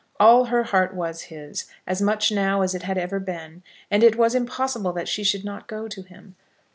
All her heart was his, as much now as it had ever been; and it was impossible that she should not go to him.